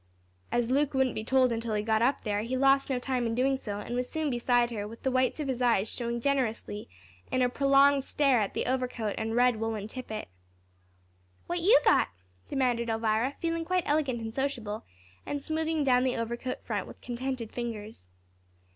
As Luke wouldn't be told until he got up there, he lost no time in doing so, and was soon beside her, with the whites of his eyes showing generously in a prolonged stare at the overcoat and red woollen tippet. "What you got?" demanded Elvira, feeling quite elegant and sociable, and smoothing down the overcoat front with contented fingers.